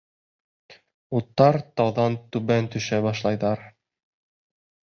Уттар тауҙан түбән төшә башлайҙар.